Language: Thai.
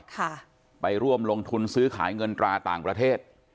ค่ะไปร่วมลงทุนซื้อขายเงินตราต่างประเทศ